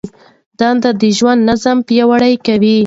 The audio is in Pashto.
دندې د ژوند نظم پیاوړی کوي.